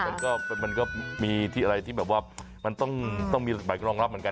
มันก็มีที่อะไรที่แบบว่ามันต้องมีหมายกรองรับเหมือนกัน